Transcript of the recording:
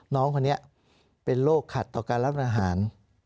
น้องคนนี้เป็นโรคขัดต่อการรับอาหาร